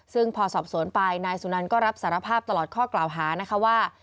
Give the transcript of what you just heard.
ซึ่งพอสอบสวนไปนายสุนันก็รับสารภาพตลอดข้อกล่าวหานะคะว่า